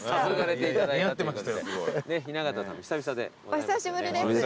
お久しぶりです。